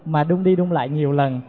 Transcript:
mà đun đi đun lại nhiều lần